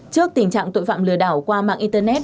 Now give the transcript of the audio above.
trước tình trạng tội phạm lừa đảo qua mạng internet